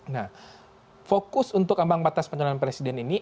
nah fokus untuk ambang batas pencalonan presiden ini